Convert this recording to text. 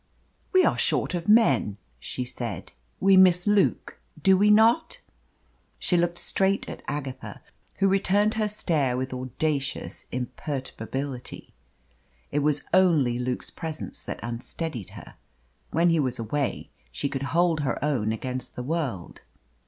"We are short of men," she said. "We miss Luke, do we not?" She looked straight at Agatha, who returned her stare with audacious imperturbability. It was only Luke's presence that unsteadied her. When he was away, she could hold her own against the world.